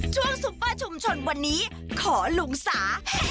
ซุปเปอร์ชุมชนวันนี้ขอลุงสา